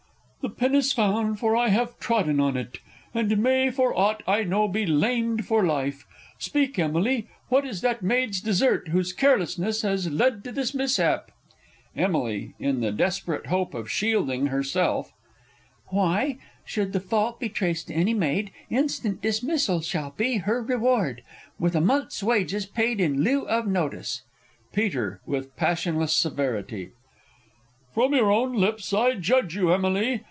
_ The pin is found for I have trodden on it, And may, for aught I know, be lamed for life. Speak, Emily, what is that maid's desert Whose carelessness has led to this mishap? Emily (in the desperate hope of shielding herself). Why, should the fault he traced to any maid, Instant dismissal shall be her reward, With a month's wages paid in lieu of notice! Peter (with a passionless severity). From your own lips I judge you, Emily.